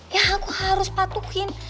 yang aku harus patuhin